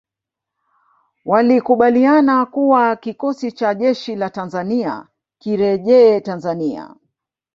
Walikubaliana kuwa kikosi cha jeshi la Tanzania kirejee Tanzania